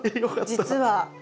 実は。